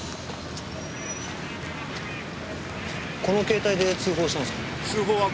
この携帯で通報したんですか？